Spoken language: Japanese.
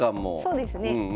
そうですね。